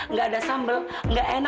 nggak ada sambal nggak enak